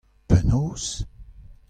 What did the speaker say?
Penaos ?